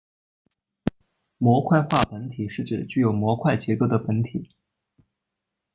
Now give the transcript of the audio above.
模块化本体是指具有模块结构的本体。